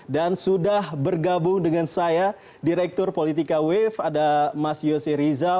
dan sudah bergabung dengan saya direktur politika wave ada mas yosi rizal